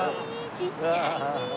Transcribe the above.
ちっちゃいね。